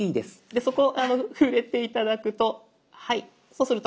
でそこ触れて頂くとはいそうすると。